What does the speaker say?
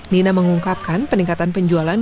nina mengungkapkan peningkatan penjualan